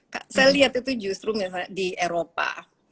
saya lihat itu justru misalnya di eropa